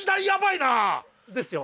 ですよ。